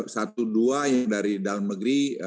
satu dua yang dari dalam negeri